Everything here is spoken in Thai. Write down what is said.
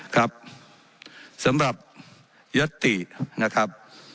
ครับสำหรับยัตตินะครับ